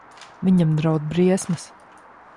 Viņam draud briesmas.